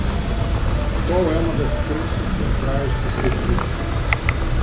Qual é uma das crenças centrais no serviço?